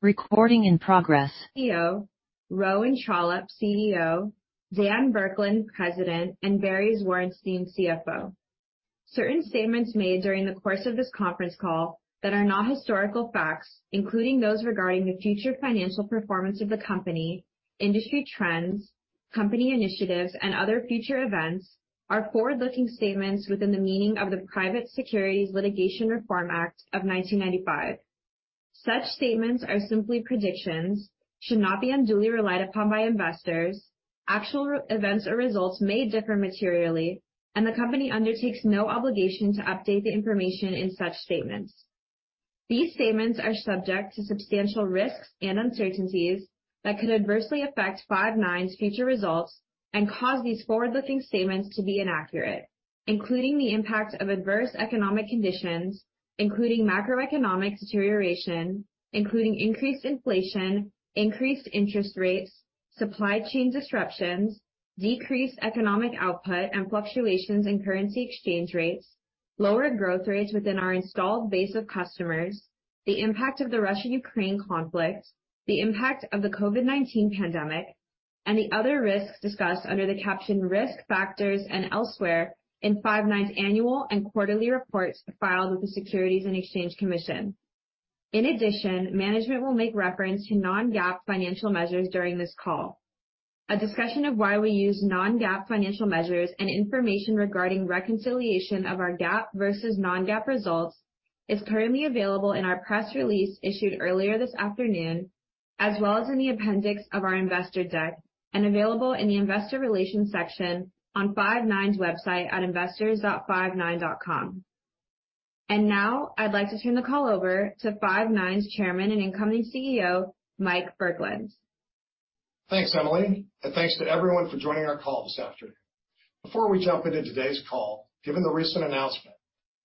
Recording in progress. CEO, Rowan Trollope, CEO, Dan Burkland, President, and Barry Zwarenstein, CFO. Certain statements made during the course of this conference call that are not historical facts, including those regarding the future financial performance of the company, industry trends, company initiatives, and other future events, are forward-looking statements within the meaning of the Private Securities Litigation Reform Act of 1995. Such statements are simply predictions, should not be unduly relied upon by investors. Actual events or results may differ materially, the company undertakes no obligation to update the information in such statements. These statements are subject to substantial risks and uncertainties that could adversely affect Five9's future results and cause these forward-looking statements to be inaccurate, including the impact of adverse economic conditions, including macroeconomic deterioration, including increased inflation, increased interest rates, supply chain disruptions, decreased economic output, and fluctuations in currency exchange rates, lower growth rates within our installed base of customers, the impact of the Russia-Ukraine conflict, the impact of the COVID-19 pandemic, and the other risks discussed under the caption Risk Factors and elsewhere in Five9's annual and quarterly reports filed with the Securities and Exchange Commission. In addition, management will make reference to non-GAAP financial measures during this call. A discussion of why we use non-GAAP financial measures and information regarding reconciliation of our GAAP versus non-GAAP results is currently available in our press release issued earlier this afternoon, as well as in the appendix of our investor deck, and available in the investor relations section on Five9's website at investors.five9.com. Now I'd like to turn the call over to Five9's Chairman and incoming CEO, Mike Burkland. Thanks, Emily, and thanks to everyone for joining our call this afternoon. Before we jump into today's call, given the recent announcement,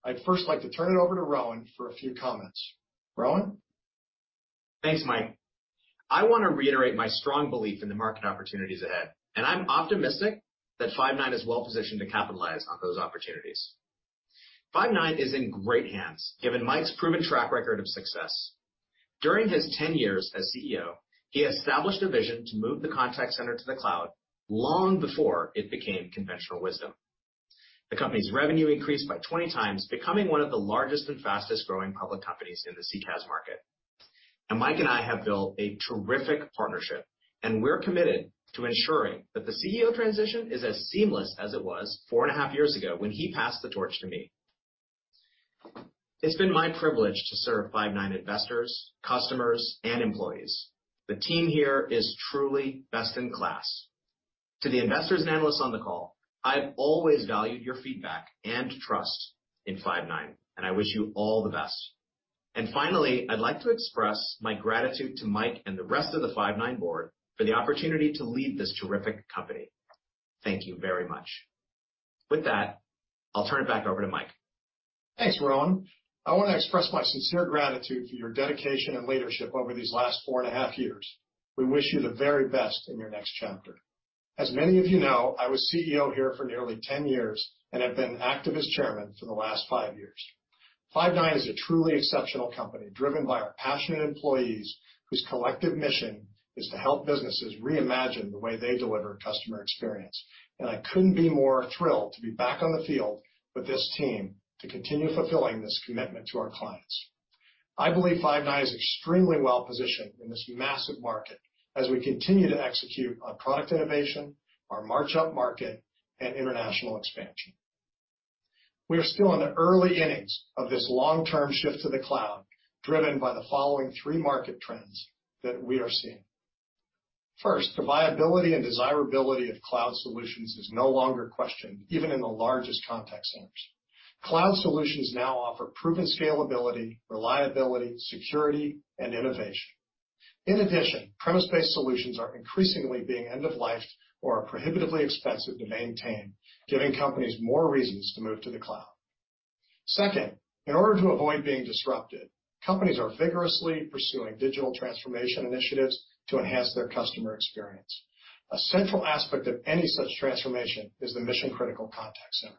I'd first like to turn it over to Rowan for a few comments. Rowan? Thanks, Mike. I want to reiterate my strong belief in the market opportunities ahead, and I'm optimistic that Five9 is well-positioned to capitalize on those opportunities. Five9 is in great hands, given Mike's proven track record of success. During his 10 years as CEO, he established a vision to move the contact center to the cloud long before it became conventional wisdom. The company's revenue increased by 20 times, becoming one of the largest and fastest-growing public companies in the CCaaS market. Mike and I have built a terrific partnership, and we're committed to ensuring that the CEO transition is as seamless as it was four and a half years ago when he passed the torch to me. It's been my privilege to serve Five9 investors, customers, and employees. The team here is truly best in class. To the investors and analysts on the call, I've always valued your feedback and trust in Five9, and I wish you all the best. Finally, I'd like to express my gratitude to Mike and the rest of the Five9 board for the opportunity to lead this terrific company. Thank you very much. With that, I'll turn it back over to Mike. Thanks, Rowan. I want to express my sincere gratitude for your dedication and leadership over these last four and a half years. We wish you the very best in your next chapter. As many of you know, I was CEO here for nearly 10 years and have been activist chairman for the last five years. Five9 is a truly exceptional company, driven by our passionate employees, whose collective mission is to help businesses reimagine the way they deliver customer experience. I couldn't be more thrilled to be back on the field with this team to continue fulfilling this commitment to our clients. I believe Five9 is extremely well-positioned in this massive market as we continue to execute on product innovation, our march-up market, and international expansion. We are still in the early innings of this long-term shift to the cloud, driven by the following three market trends that we are seeing. First, the viability and desirability of cloud solutions is no longer questioned, even in the largest contact centers. Cloud solutions now offer proven scalability, reliability, security, and innovation. In addition, premise-based solutions are increasingly being end-of-lifed or are prohibitively expensive to maintain, giving companies more reasons to move to the cloud. Second, in order to avoid being disrupted, companies are vigorously pursuing digital transformation initiatives to enhance their customer experience. A central aspect of any such transformation is the mission-critical contact center.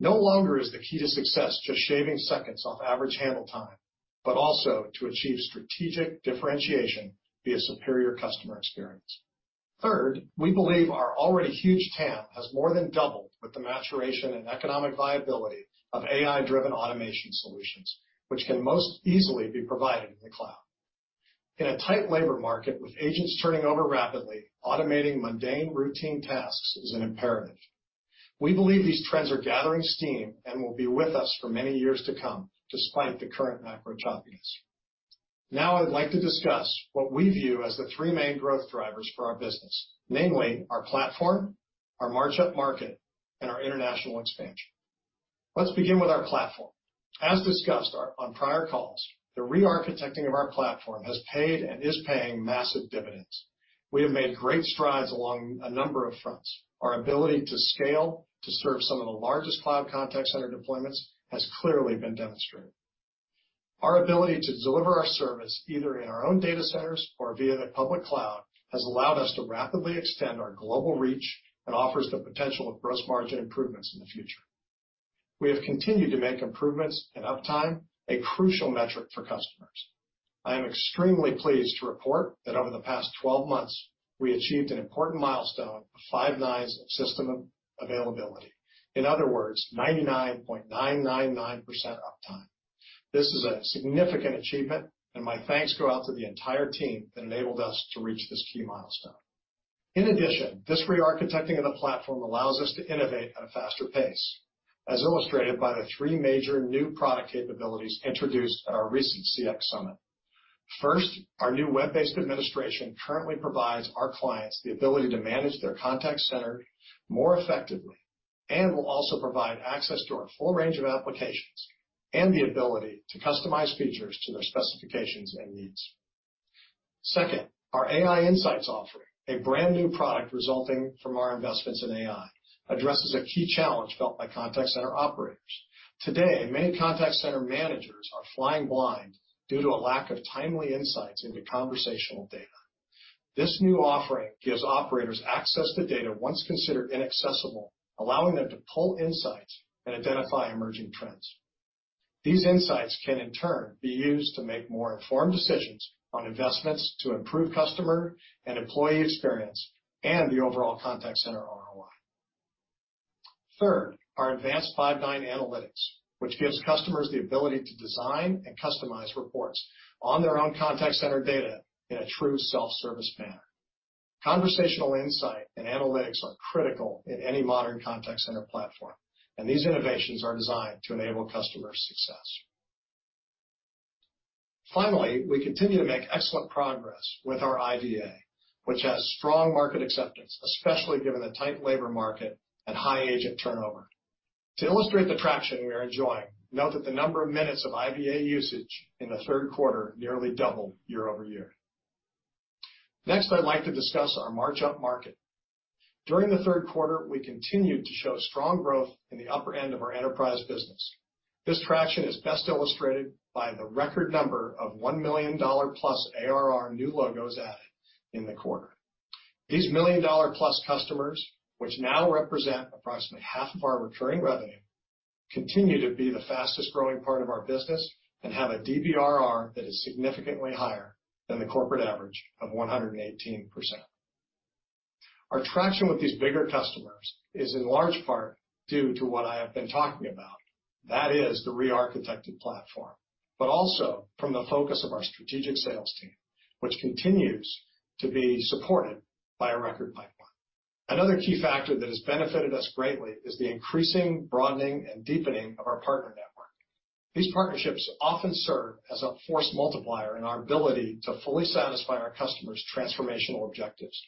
No longer is the key to success just shaving seconds off average handle time, but also to achieve strategic differentiation via superior customer experience. Third, we believe our already huge TAM has more than doubled with the maturation and economic viability of AI-driven automation solutions, which can most easily be provided in the cloud. In a tight labor market with agents turning over rapidly, automating mundane routine tasks is an imperative. We believe these trends are gathering steam and will be with us for many years to come, despite the current macro choppiness. I'd like to discuss what we view as the three main growth drivers for our business, namely our platform, our march-up market, and our international expansion. Let's begin with our platform. As discussed on prior calls, the re-architecting of our platform has paid and is paying massive dividends. We have made great strides along a number of fronts. Our ability to scale to serve some of the largest cloud contact center deployments has clearly been demonstrated. Our ability to deliver our service either in our own data centers or via the public cloud has allowed us to rapidly extend our global reach and offers the potential of gross margin improvements in the future. We have continued to make improvements in uptime, a crucial metric for customers. I am extremely pleased to report that over the past 12 months, we achieved an important milestone of Five9's system availability. In other words, 99.999% uptime. This is a significant achievement, and my thanks go out to the entire team that enabled us to reach this key milestone. In addition, this re-architecting of the platform allows us to innovate at a faster pace, as illustrated by the three major new product capabilities introduced at our recent CX Summit. First, our new web-based administration currently provides our clients the ability to manage their contact center more effectively and will also provide access to our full range of applications and the ability to customize features to their specifications and needs. Second, our AI Insights offering, a brand-new product resulting from our investments in AI, addresses a key challenge felt by contact center operators. Today, many contact center managers are flying blind due to a lack of timely insights into conversational data. This new offering gives operators access to data once considered inaccessible, allowing them to pull insights and identify emerging trends. These insights can in turn, be used to make more informed decisions on investments to improve customer and employee experience and the overall contact center ROI. Third, our advanced Five9 Analytics, which gives customers the ability to design and customize reports on their own contact center data in a true self-service manner. Conversational insight and analytics are critical in any modern contact center platform, and these innovations are designed to enable customer success. Finally, we continue to make excellent progress with our IVA, which has strong market acceptance, especially given the tight labor market and high agent turnover. To illustrate the traction we are enjoying, note that the number of minutes of IVA usage in the third quarter nearly doubled year-over-year. Next, I'd like to discuss our march upmarket. During the third quarter, we continued to show strong growth in the upper end of our enterprise business. This traction is best illustrated by the record number of $1 million-plus ARR new logos added in the quarter. These million-dollar-plus customers, which now represent approximately half of our recurring revenue, continue to be the fastest growing part of our business and have a DBRR that is significantly higher than the corporate average of 118%. Our traction with these bigger customers is in large part due to what I have been talking about. That is the re-architected platform, but also from the focus of our strategic sales team, which continues to be supported by a record pipeline. Another key factor that has benefited us greatly is the increasing broadening and deepening of our partner network. These partnerships often serve as a force multiplier in our ability to fully satisfy our customers' transformational objectives.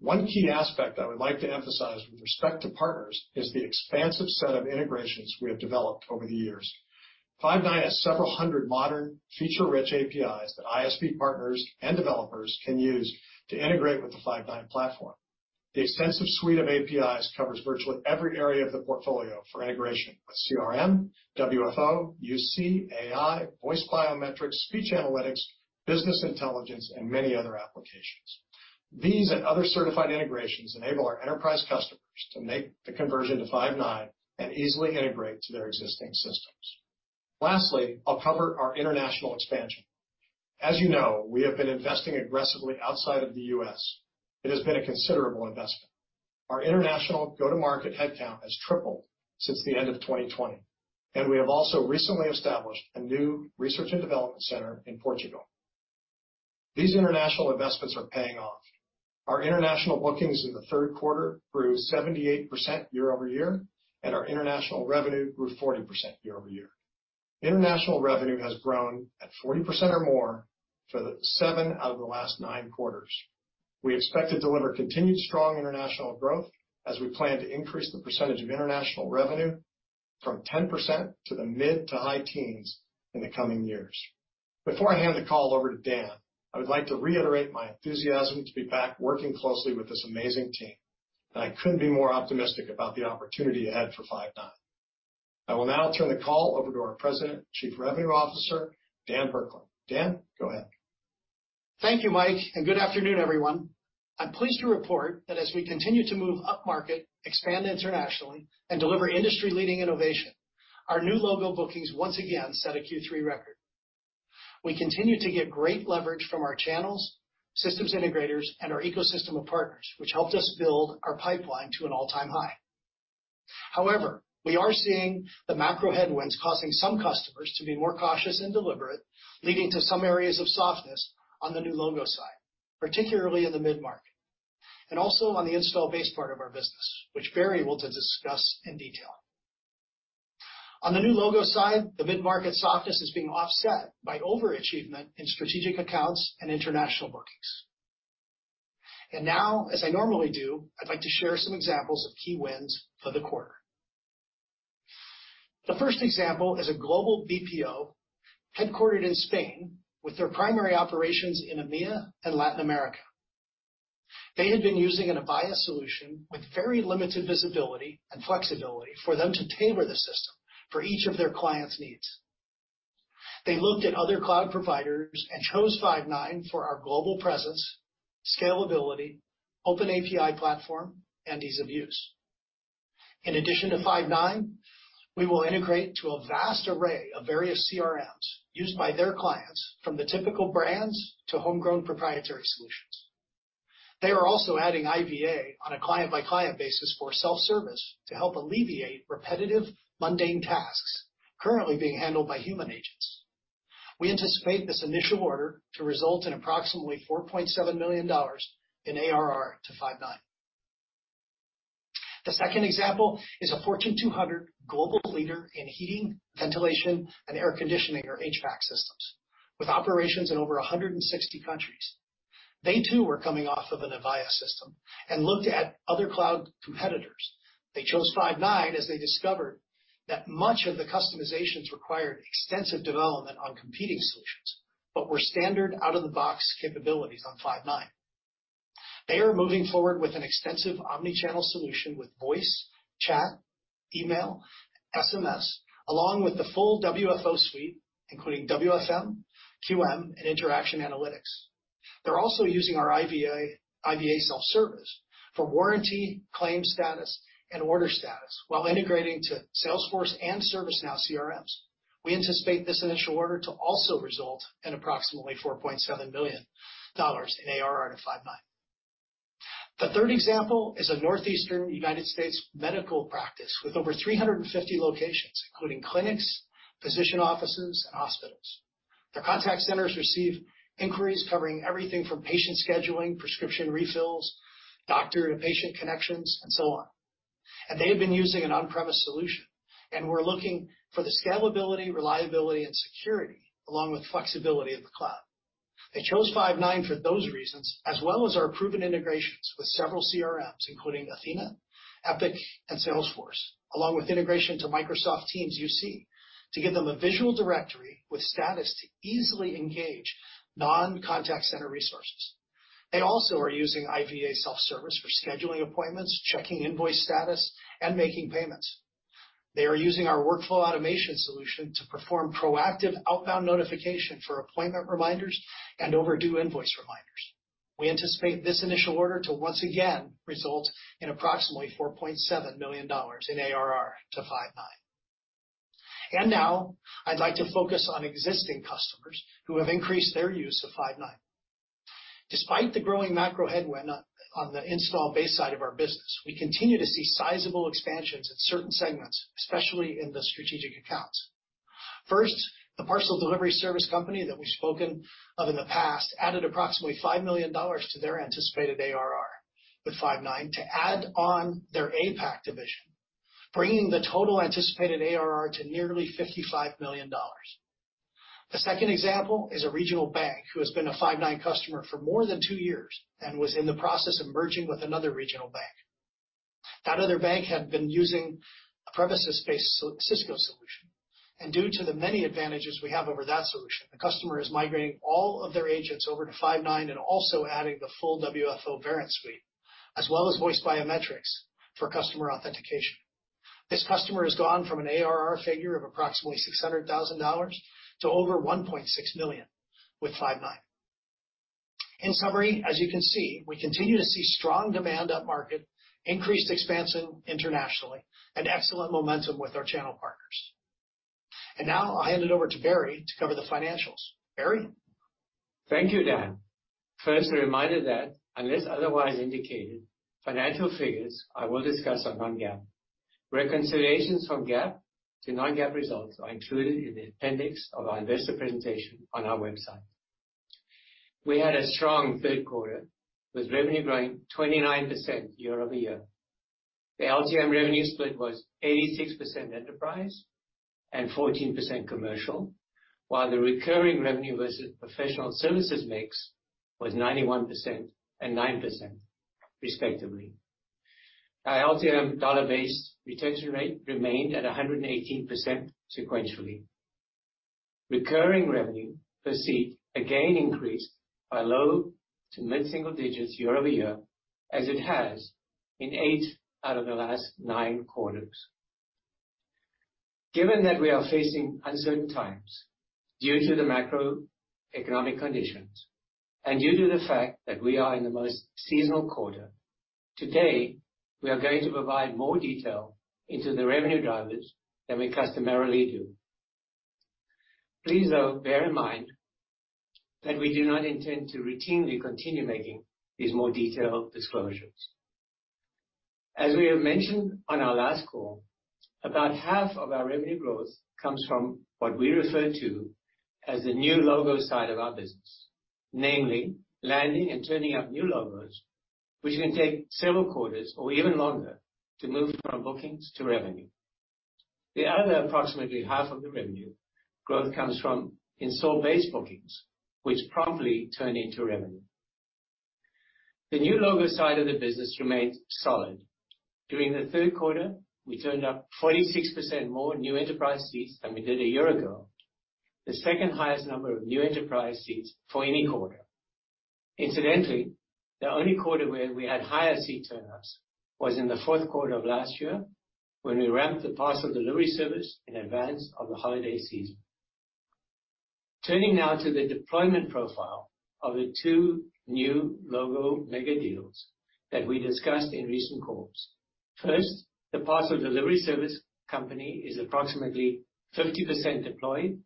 One key aspect I would like to emphasize with respect to partners is the expansive set of integrations we have developed over the years. Five9 has several hundred modern feature-rich APIs that ISV partners and developers can use to integrate with the Five9 platform. The extensive suite of APIs covers virtually every area of the portfolio for integration with CRM, WFO, UC, AI, voice biometrics, speech analytics, business intelligence, and many other applications. These and other certified integrations enable our enterprise customers to make the conversion to Five9 and easily integrate to their existing systems. Lastly, I'll cover our international expansion. As you know, we have been investing aggressively outside of the U.S. It has been a considerable investment. Our international go-to-market headcount has tripled since the end of 2020, and we have also recently established a new research and development center in Portugal. These international investments are paying off. Our international bookings in the third quarter grew 78% year-over-year, and our international revenue grew 40% year-over-year. International revenue has grown at 40% or more for the seven out of the last nine quarters. We expect to deliver continued strong international growth as we plan to increase the percentage of international revenue from 10% to the mid to high teens in the coming years. Before I hand the call over to Dan, I would like to reiterate my enthusiasm to be back working closely with this amazing team, and I couldn't be more optimistic about the opportunity ahead for Five9. I will now turn the call over to our President, Chief Revenue Officer, Dan Burkland. Dan, go ahead. Thank you, Mike, and good afternoon, everyone. I'm pleased to report that as we continue to move upmarket, expand internationally, and deliver industry-leading innovation, our new logo bookings once again set a Q3 record. We continue to get great leverage from our channels, systems integrators, and our ecosystem of partners, which helped us build our pipeline to an all-time high. However, we are seeing the macro headwinds causing some customers to be more cautious and deliberate, leading to some areas of softness on the new logo side, particularly in the mid-market and also on the install base part of our business, which Barry will discuss in detail. On the new logo side, the mid-market softness is being offset by overachievement in strategic accounts and international bookings. Now, as I normally do, I'd like to share some examples of key wins for the quarter. The first example is a global BPO headquartered in Spain with their primary operations in EMEA and Latin America. They had been using an Avaya solution with very limited visibility and flexibility for them to tailor the system for each of their clients' needs. They looked at other cloud providers and chose Five9 for our global presence, scalability, open API platform, and ease of use. In addition to Five9, we will integrate to a vast array of various CRMs used by their clients from the typical brands to homegrown proprietary solutions. They are also adding IVA on a client-by-client basis for self-service to help alleviate repetitive, mundane tasks currently being handled by human agents. We anticipate this initial order to result in approximately $4.7 million in ARR to Five9. The second example is a Fortune 200 global leader in heating, ventilation, and air conditioning, or HVAC systems with operations in over 160 countries. They too were coming off of an Avaya system and looked at other cloud competitors. They chose Five9 as they discovered that much of the customizations required extensive development on competing solutions, but were standard out-of-the-box capabilities on Five9. They are moving forward with an extensive omni-channel solution with voice, chat, email, SMS, along with the full WFO suite, including WFM, QM, and interaction analytics. They are also using our IVA self-service for warranty, claim status, and order status while integrating to Salesforce and ServiceNow CRMs. We anticipate this initial order to also result in approximately $4.7 million in ARR to Five9. The third example is a Northeastern U.S. medical practice with over 350 locations, including clinics, physician offices, and hospitals. Their contact centers receive inquiries covering everything from patient scheduling, prescription refills, doctor to patient connections, and so on. They have been using an on-premise solution and were looking for the scalability, reliability, and security along with flexibility of the cloud. They chose Five9 for those reasons, as well as our proven integrations with several CRMs, including athenahealth, Epic, and Salesforce, along with integration to Microsoft Teams UC to give them a visual directory with status to easily engage non-contact center resources. They also are using IVA self-service for scheduling appointments, checking invoice status, and making payments. They are using our workflow automation solution to perform proactive outbound notification for appointment reminders and overdue invoice reminders. We anticipate this initial order to once again result in approximately $4.7 million in ARR to Five9. Now I'd like to focus on existing customers who have increased their use of Five9. Despite the growing macro headwind on the install base side of our business, we continue to see sizable expansions in certain segments, especially in the strategic accounts. First, the parcel delivery service company that we've spoken of in the past added approximately $5 million to their anticipated ARR with Five9 to add on their APAC division, bringing the total anticipated ARR to nearly $55 million. The second example is a regional bank who has been a Five9 customer for more than two years and was in the process of merging with another regional bank. Due to the many advantages we have over that solution, the customer is migrating all of their agents over to Five9 and also adding the full WFO Verint suite, as well as voice biometrics for customer authentication. This customer has gone from an ARR figure of approximately $600,000 to over $1.6 million with Five9. In summary, as you can see, we continue to see strong demand up market, increased expansion internationally, and excellent momentum with our channel partners. Now I hand it over to Barry to cover the financials. Barry? Thank you, Dan. First, a reminder that unless otherwise indicated, financial figures I will discuss are non-GAAP. Reconciliations from GAAP to non-GAAP results are included in the appendix of our investor presentation on our website. We had a strong third quarter with revenue growing 29% year-over-year. The LTM revenue split was 86% enterprise and 14% commercial, while the recurring revenue versus professional services mix was 91% and 9%, respectively. Our LTM dollar-based retention rate remained at 118% sequentially. Recurring revenue per seat again increased by low to mid-single digits year-over-year, as it has in eight out of the last nine quarters. Given that we are facing uncertain times due to the macroeconomic conditions and due to the fact that we are in the most seasonal quarter, today, we are going to provide more detail into the revenue drivers than we customarily do. Please, though, bear in mind that we do not intend to routinely continue making these more detailed disclosures. As we have mentioned on our last call, about half of our revenue growth comes from what we refer to as the new logo side of our business, namely landing and turning up new logos, which can take several quarters or even longer to move from bookings to revenue. The other approximately half of the revenue growth comes from install base bookings, which promptly turn into revenue. The new logo side of the business remains solid. During the third quarter, we turned up 46% more new enterprise seats than we did a year ago, the second highest number of new enterprise seats for any quarter. Incidentally, the only quarter where we had higher seat turnups was in the fourth quarter of last year, when we ramped the parcel delivery service in advance of the holiday season. Turning now to the deployment profile of the two new logo mega deals that we discussed in recent calls. First, the parcel delivery service company is approximately 50% deployed,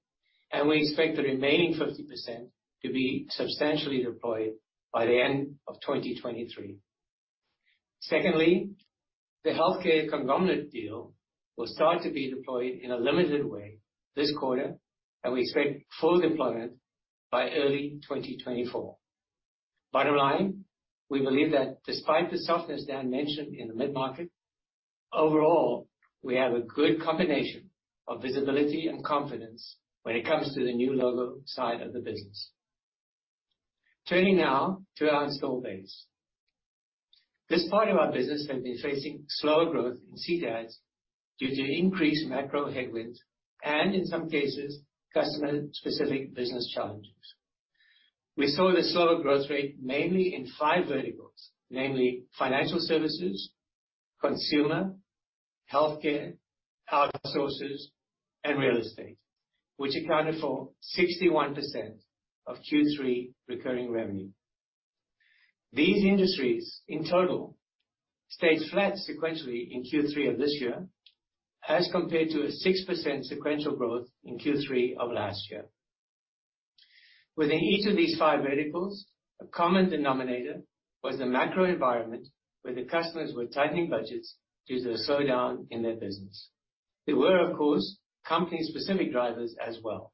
and we expect the remaining 50% to be substantially deployed by the end of 2023. Secondly, the healthcare conglomerate deal will start to be deployed in a limited way this quarter, and we expect full deployment by early 2024. Bottom line, we believe that despite the softness Dan mentioned in the mid-market, overall, we have a good combination of visibility and confidence when it comes to the new logo side of the business. Turning now to our install base. This part of our business has been facing slower growth in seat adds due to increased macro headwinds, and in some cases, customer-specific business challenges. We saw the slower growth rate mainly in five verticals, namely financial services, consumer, healthcare, outsourcers, and real estate, which accounted for 61% of Q3 recurring revenue. These industries in total stayed flat sequentially in Q3 of this year as compared to a 6% sequential growth in Q3 of last year. Within each of these five verticals, a common denominator was the macro environment where the customers were tightening budgets due to the slowdown in their business. There were, of course, company specific drivers as well.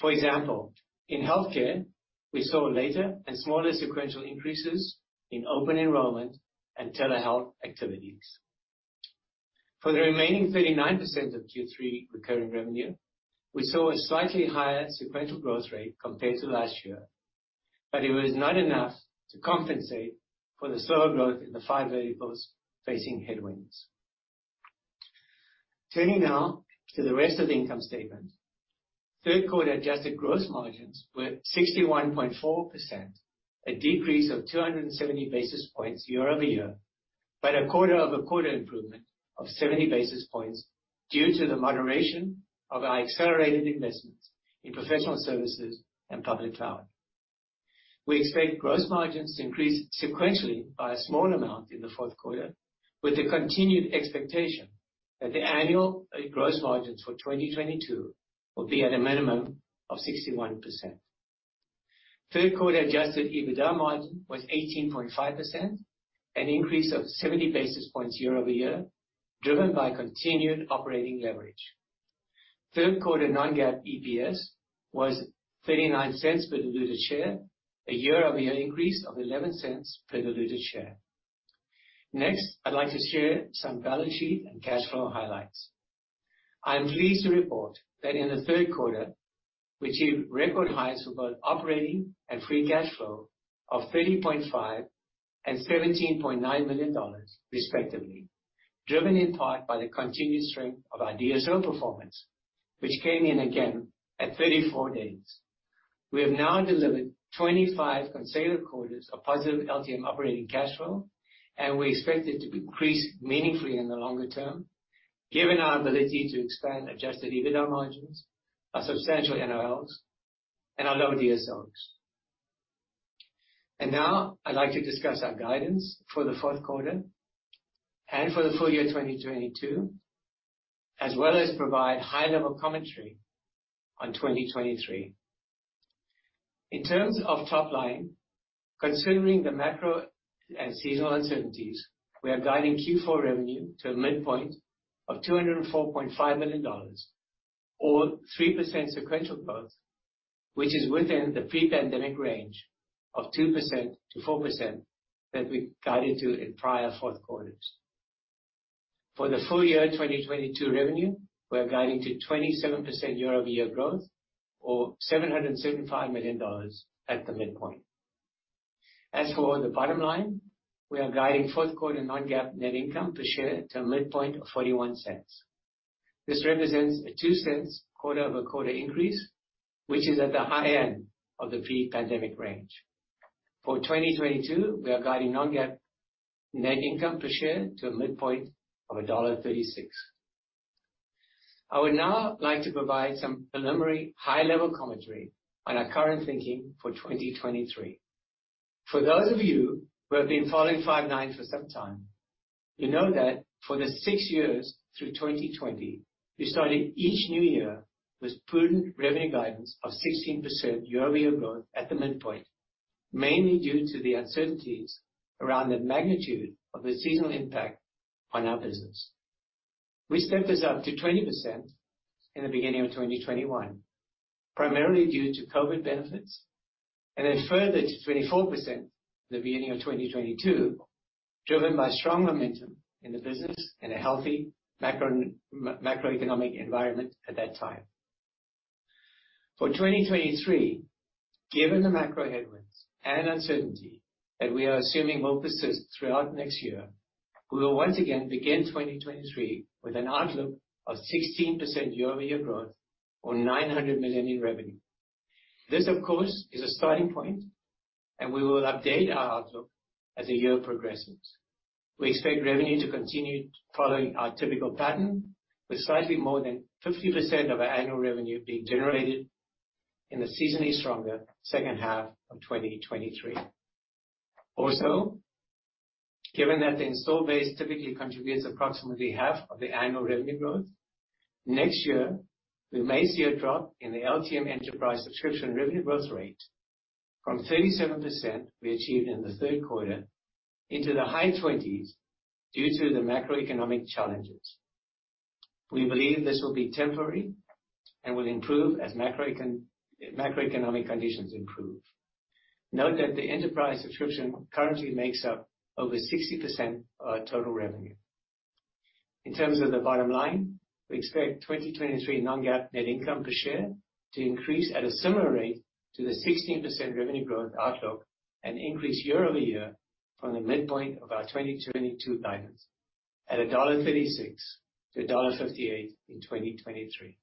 For example, in healthcare, we saw later and smaller sequential increases in open enrollment and telehealth activities. For the remaining 39% of Q3 recurring revenue, we saw a slightly higher sequential growth rate compared to last year, but it was not enough to compensate for the slower growth in the five variables facing headwinds. Turning now to the rest of the income statement. Third quarter adjusted gross margins were 61.4%, a decrease of 270 basis points year-over-year, but a quarter-over-quarter improvement of 70 basis points due to the moderation of our accelerated investments in professional services and public cloud. We expect gross margins to increase sequentially by a small amount in the fourth quarter, with the continued expectation that the annual gross margins for 2022 will be at a minimum of 61%. Third quarter adjusted EBITDA margin was 18.5%, an increase of 70 basis points year-over-year, driven by continued operating leverage. Third quarter non-GAAP EPS was $0.39 per diluted share, a year-over-year increase of $0.11 per diluted share. Next, I'd like to share some balance sheet and cash flow highlights. I am pleased to report that in the third quarter, we achieved record highs for both operating and free cash flow of $30.5 million and $17.9 million respectively, driven in part by the continued strength of our DSO performance, which came in again at 34 days. We have now delivered 25 consecutive quarters of positive LTM operating cash flow, and we expect it to increase meaningfully in the longer term, given our ability to expand adjusted EBITDA margins, our substantial NOLs, and our low DSOs. Now I'd like to discuss our guidance for the fourth quarter and for the full year 2022, as well as provide high-level commentary on 2023. In terms of top line, considering the macro and seasonal uncertainties, we are guiding Q4 revenue to a midpoint of $204.5 million or 3% sequential growth, which is within the pre-pandemic range of 2%-4% that we guided to in prior fourth quarters. For the full year 2022 revenue, we are guiding to 27% year-over-year growth or $775 million at the midpoint. As for the bottom line, we are guiding fourth quarter non-GAAP net income per share to a midpoint of $0.41. This represents a $0.02 quarter-over-quarter increase, which is at the high end of the pre-pandemic range. For 2022, we are guiding non-GAAP net income per share to a midpoint of $1.36. I would now like to provide some preliminary high-level commentary on our current thinking for 2023. For those of you who have been following Five9 for some time, you know that for the six years through 2020, we started each new year with prudent revenue guidance of 16% year-over-year growth at the midpoint, mainly due to the uncertainties around the magnitude of the seasonal impact on our business. We stepped this up to 20% in the beginning of 2021, primarily due to COVID benefits, and then further to 24% in the beginning of 2022, driven by strong momentum in the business and a healthy macroeconomic environment at that time. For 2023, given the macro headwinds and uncertainty that we are assuming will persist throughout next year. We will once again begin 2023 with an outlook of 16% year-over-year growth or $900 million in revenue. This, of course, is a starting point, and we will update our outlook as the year progresses. We expect revenue to continue following our typical pattern, with slightly more than 50% of our annual revenue being generated in the seasonally stronger second half of 2023. Given that the install base typically contributes approximately half of the annual revenue growth, next year, we may see a drop in the LTM enterprise subscription revenue growth rate from 37% we achieved in the third quarter into the high 20s due to the macroeconomic challenges. We believe this will be temporary and will improve as macroeconomic conditions improve. Note that the enterprise subscription currently makes up over 60% of our total revenue. In terms of the bottom line, we expect 2023 non-GAAP net income per share to increase at a similar rate to the 16% revenue growth outlook and increase year-over-year from the midpoint of our 2022 guidance at $1.36 to $1.58 in 2023.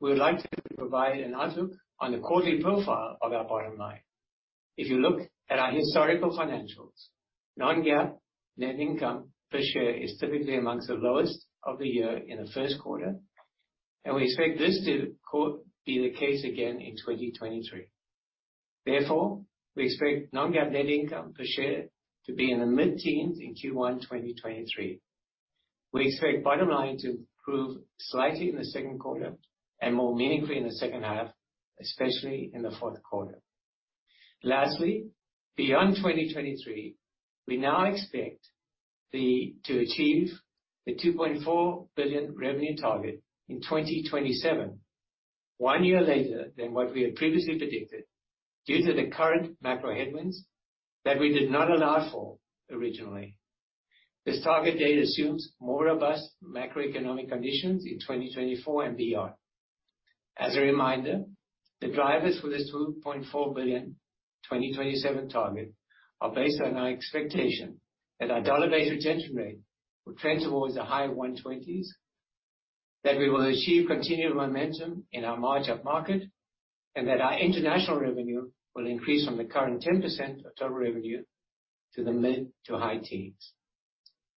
We would like to provide an outlook on the quarterly profile of our bottom line. If you look at our historical financials, non-GAAP net income per share is typically amongst the lowest of the year in the first quarter, and we expect this to be the case again in 2023. We expect non-GAAP net income per share to be in the mid-teens in Q1 2023. We expect bottom line to improve slightly in the second quarter and more meaningfully in the second half, especially in the fourth quarter. Beyond 2023, we now expect to achieve the $2.4 billion revenue target in 2027, one year later than what we had previously predicted due to the current macro headwinds that we did not allow for originally. This target date assumes more robust macroeconomic conditions in 2024 and beyond. As a reminder, the drivers for this $2.4 billion 2027 target are based on our expectation that our dollar-based retention rate will trend towards the high 120s, that we will achieve continued momentum in our march up-market, and that our international revenue will increase from the current 10% of total revenue to the mid to high teens.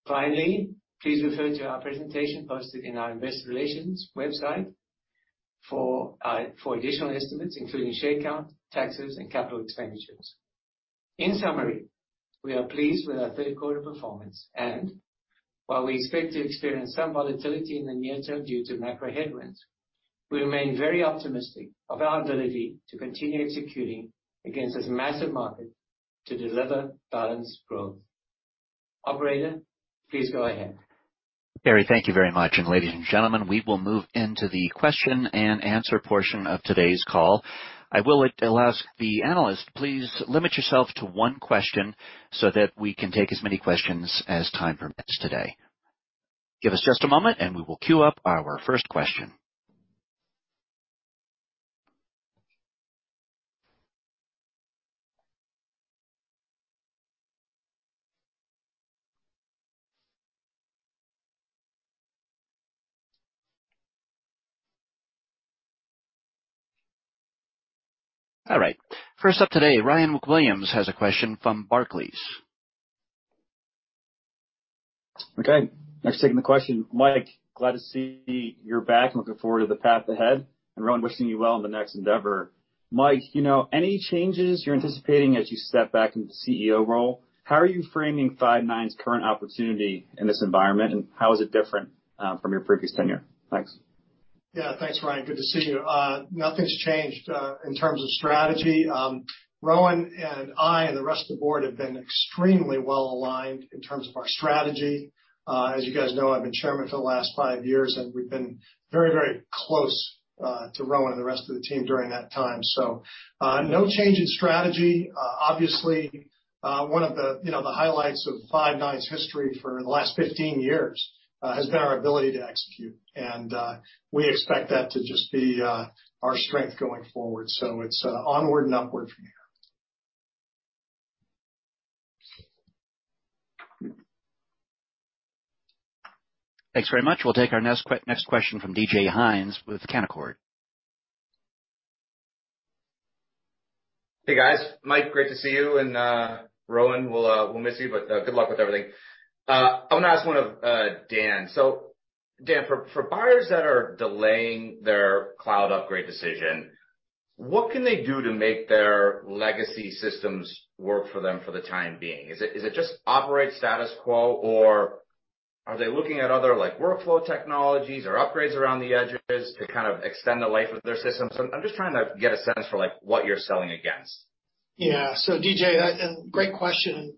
Finally, please refer to our presentation posted in our investor relations website for additional estimates, including share count, taxes, and capital expenditures. In summary, we are pleased with our third quarter performance and while we expect to experience some volatility in the near term due to macro headwinds, we remain very optimistic of our ability to continue executing against this massive market to deliver balanced growth. Operator, please go ahead. Barry, thank you very much. Ladies and gentlemen, we will move into the question and answer portion of today's call. I will ask the analyst, please limit yourself to one question so that we can take as many questions as time permits today. Give us just a moment, and we will queue up our first question. All right, first up today, Ryan Williams has a question from Barclays. Okay, thanks for taking the question. Mike, glad to see you're back and looking forward to the path ahead. Rowan, wishing you well in the next endeavor. Mike, any changes you're anticipating as you step back into the CEO role? How are you framing Five9's current opportunity in this environment, and how is it different from your previous tenure? Thanks. Yeah, thanks, Ryan. Good to see you. Nothing's changed in terms of strategy. Rowan and I, and the rest of the board have been extremely well-aligned in terms of our strategy. As you guys know, I've been chairman for the last five years, and we've been very close to Rowan and the rest of the team during that time. No change in strategy. Obviously, one of the highlights of Five9's history for the last 15 years has been our ability to execute, and we expect that to just be our strength going forward. It's onward and upward from here. Thanks very much. We'll take our next question from DJ Hynes with Canaccord. Hey, guys. Mike, great to see you, and Rowan, we'll miss you, but good luck with everything. I want to ask one of Dan. Dan, for buyers that are delaying their cloud upgrade decision, what can they do to make their legacy systems work for them for the time being? Is it just operate status quo, or are they looking at other workflow technologies or upgrades around the edges to kind of extend the life of their systems? I'm just trying to get a sense for what you're selling against. Yeah. DJ, great question.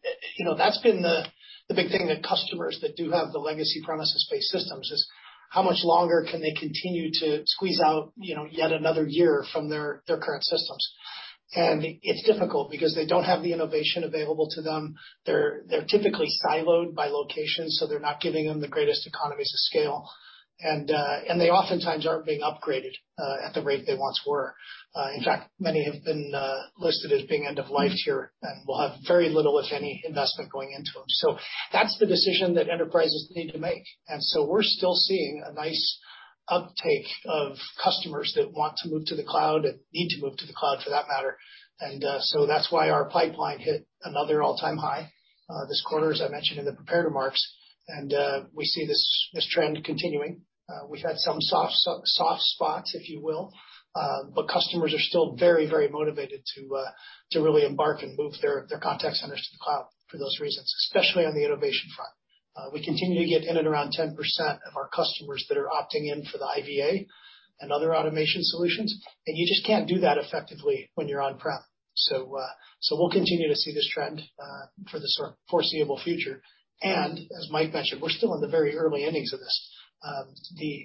That's been the big thing that customers that do have the legacy premises-based systems is how much longer can they continue to squeeze out yet another year from their current systems. It's difficult because they don't have the innovation available to them. They're typically siloed by location, so they're not giving them the greatest economies of scale. They oftentimes aren't being upgraded at the rate they once were. In fact, many have been listed as being end-of-life here and will have very little, if any, investment going into them. That's the decision that enterprises need to make. We're still seeing a nice uptake of customers that want to move to the cloud and need to move to the cloud for that matter. That's why our pipeline hit another all-time high this quarter, as I mentioned in the prepared remarks, and we see this trend continuing. Customers are still very motivated to really embark and move their contact centers to the cloud for those reasons, especially on the innovation front. We continue to get in at around 10% of our customers that are opting in for the IVA and other automation solutions. You just can't do that effectively when you're on-prem. We'll continue to see this trend for the foreseeable future. As Mike mentioned, we're still in the very early innings of this.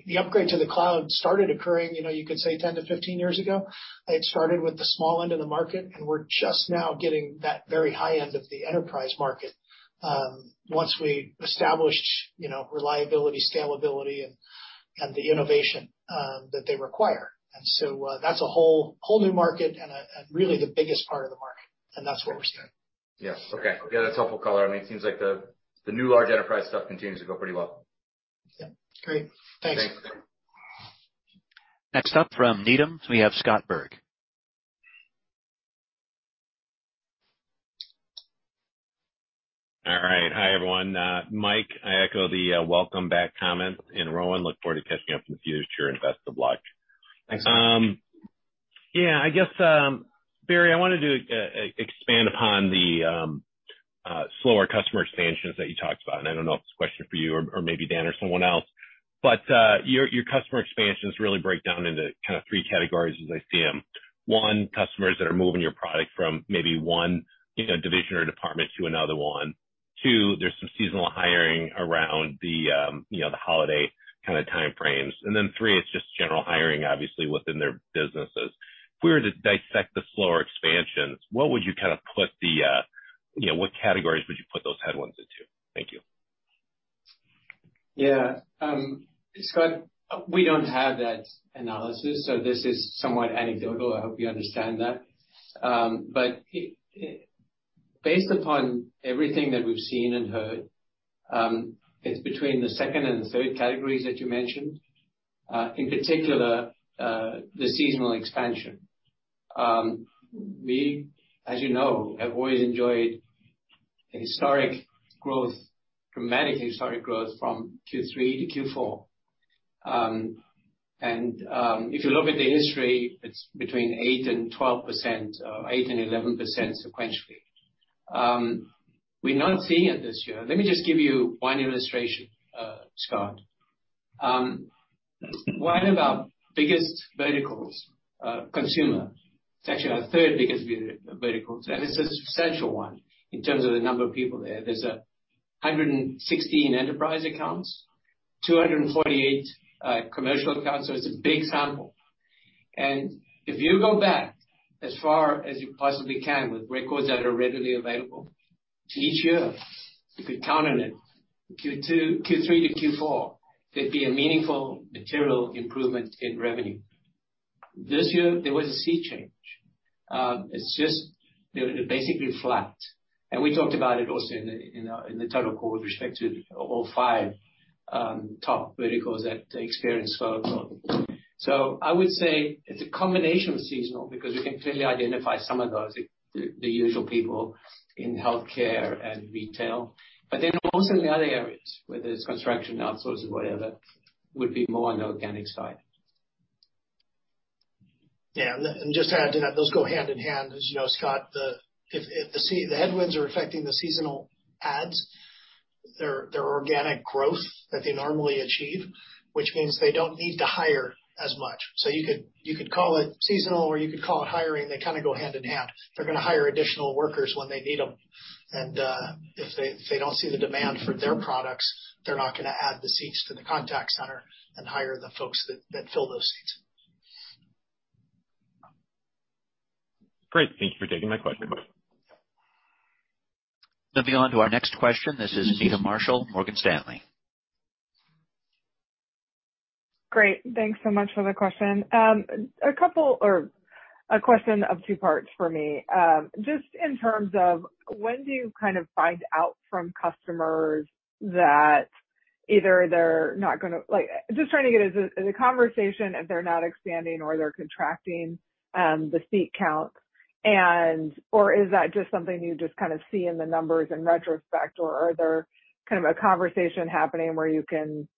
The upgrade to the cloud started occurring, you could say 10 to 15 years ago. It started with the small end of the market, and we're just now getting that very high end of the enterprise market. Once we established reliability, scalability, and the innovation that they require. That's a whole new market and really the biggest part of the market, and that's where we're standing. Yes. Okay. Yeah, that's helpful color. It seems like the new large enterprise stuff continues to go pretty well. Yeah. Great. Thanks. Thanks. Next up from Needham, we have Scott Berg. All right. Hi, everyone. Mike, I echo the welcome back comment. Rowan, look forward to catching up in the future and best of luck. Thanks, Scott. Yeah, I guess, Barry, I wanted to expand upon the slower customer expansions that you talked about, and I don't know if it's a question for you or maybe Dan or someone else. Your customer expansions really break down into three categories as I see them. One, customers that are moving your product from maybe one division or department to another one. Two, there's some seasonal hiring around the holiday time frames. Three, it's just general hiring, obviously, within their businesses. If we were to dissect the slower expansions, what categories would you put those headwinds into? Thank you. Scott, we don't have that analysis, so this is somewhat anecdotal. I hope you understand that. Based upon everything that we've seen and heard, it's between the second and the third categories that you mentioned. In particular, the seasonal expansion. We, as you know, have always enjoyed a dramatic historic growth from Q3 to Q4. If you look at the history, it's between 8% and 11% sequentially. We're not seeing it this year. Let me just give you one illustration, Scott. One of our biggest verticals, consumer. It's actually our third biggest vertical, and it's a substantial one in terms of the number of people there. There's 116 enterprise accounts, 248 commercial accounts, so it's a big sample. If you go back as far as you possibly can with records that are readily available, each year you could count on it, Q3 to Q4, there'd be a meaningful material improvement in revenue. This year, there was a sea change. It's just basically flat. We talked about it also in the total call with respect to all five top verticals that experience slower growth. I would say it's a combination of seasonal, because we can clearly identify some of those, the usual people in healthcare and retail. Also in the other areas, whether it's construction, outsource, or whatever, would be more on the organic side. Yeah. Just to add to that, those go hand in hand. As you know, Scott, if the headwinds are affecting the seasonal adds, their organic growth that they normally achieve, which means they don't need to hire as much. You could call it seasonal, or you could call it hiring. They kind of go hand in hand. They're going to hire additional workers when they need them. If they don't see the demand for their products, they're not going to add the seats to the contact center and hire the folks that fill those seats. Great. Thank you for taking my question. Moving on to our next question, this is Meta Marshall, Morgan Stanley. Great. Thanks so much for the question. A question of two parts for me. Just in terms of when do you find out from customers that either they're not expanding or they're contracting the seat count. Is that just something you just see in the numbers in retrospect, or are there a conversation happening where you can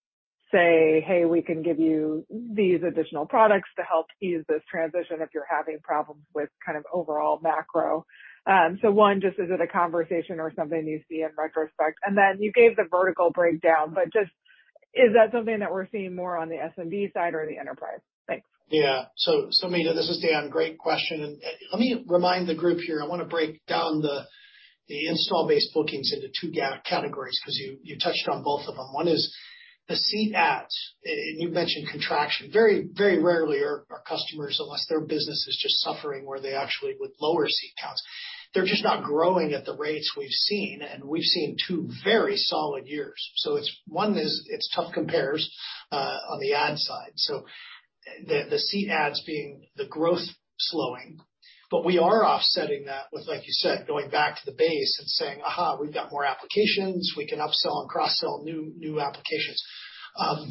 say, "Hey, we can give you these additional products to help ease this transition if you're having problems with overall macro." One, just is it a conversation or something you see in retrospect? You gave the vertical breakdown, but just is that something that we're seeing more on the SMB side or the enterprise? Thanks. Yeah. Meta, this is Dan. Great question. Let me remind the group here, I want to break down The install base bookings into two categories, because you touched on both of them. One is the seat adds, and you mentioned contraction. Very rarely are our customers, unless their business is just suffering, where they actually would lower seat counts. They're just not growing at the rates we've seen, and we've seen two very solid years. One is, it's tough compares on the add side. The seat adds being the growth slowing. We are offsetting that with, like you said, going back to the base and saying, "Aha, we've got more applications. We can upsell and cross-sell new applications."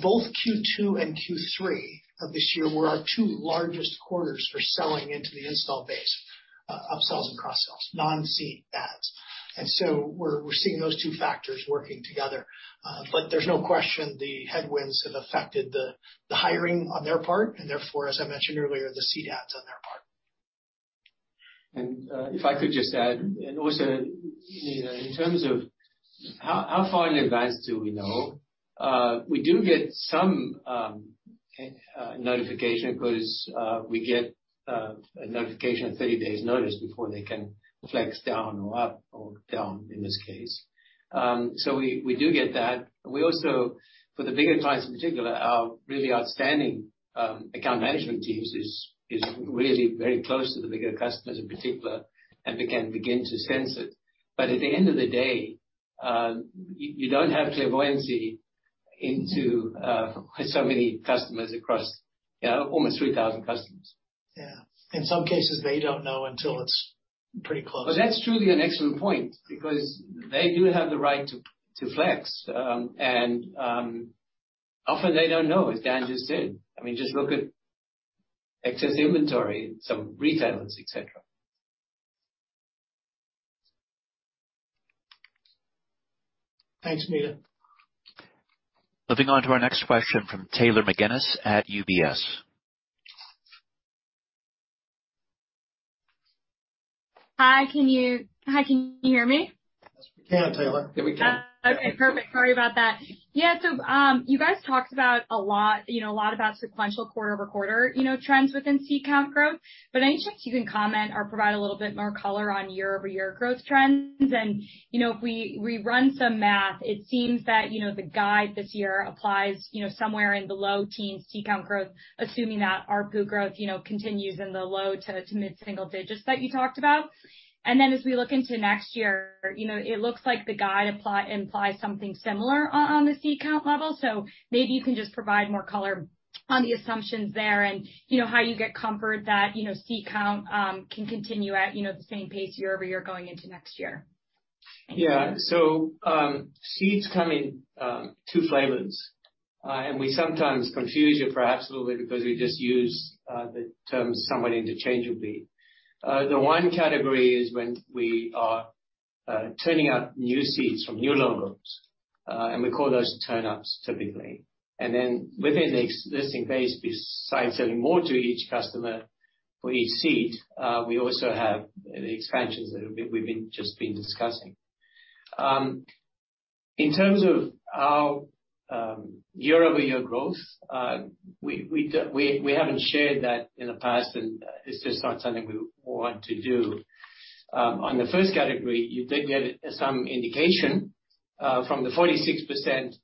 Both Q2 and Q3 of this year were our two largest quarters for selling into the install base, upsells and cross-sells, non-seat adds. We're seeing those two factors working together. There's no question the headwinds have affected the hiring on their part, and therefore, as I mentioned earlier, the seat adds on their part. If I could just add, also in terms of how far in advance do we know? We do get some notification because we get a notification of 30 days notice before they can flex down or up, or down in this case. We do get that. We also, for the bigger clients in particular, our really outstanding account management team is really very close to the bigger customers in particular and can begin to sense it. At the end of the day, you don't have clairvoyancy into so many customers across almost 3,000 customers. Yeah. In some cases, they don't know until it's pretty close. That's truly an excellent point, because they do have the right to flex. Often they don't know, as Dan just said. I mean, just look at excess inventory, some retailers, et cetera. Thanks, Mika. Moving on to our next question from Taylor McGinnis at UBS. Hi, can you hear me? Yes, we can, Taylor. Yeah, we can. Okay, perfect. Sorry about that. You guys talked about a lot about sequential quarter-over-quarter trends within seat count growth, but I need you to comment or provide a little bit more color on year-over-year growth trends. If we run some math, it seems that the guide this year applies somewhere in the low teens seat count growth, assuming that ARPU growth continues in the low to mid-single digits that you talked about. As we look into next year, it looks like the guide implies something similar on the seat count level. Maybe you can just provide more color on the assumptions there and how you get comfort that seat count can continue at the same pace year-over-year going into next year. Yeah. Seats come in two flavors, and we sometimes confuse you, perhaps, literally because we just use the terms somewhat interchangeably. The one category is when we are turning up new seats from new logos, and we call those turn-ups typically. Within the existing base, besides selling more to each customer for each seat, we also have the expansions that we've just been discussing. In terms of our year-over-year growth, we haven't shared that in the past, and it's just not something we want to do. On the first category, you did get some indication from the 46%